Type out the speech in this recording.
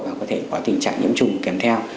và có thể có tình trạng nhiễm trùng kèm theo